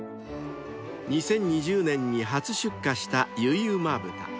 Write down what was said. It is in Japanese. ［２０２０年に初出荷した結旨豚］